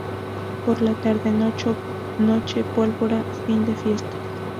Por la tarde noche: pólvora fin de fiestas.